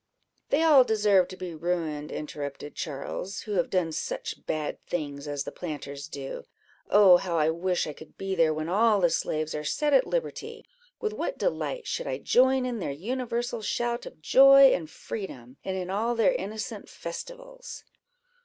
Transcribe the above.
"They all deserve to be ruined," interrupted Charles, "who have done such bad things as the planters do. Oh, how I wish I could be there when all the slaves are set at liberty! with what delight should I join in their universal shout of joy and freedom, and in all their innocent festivals!"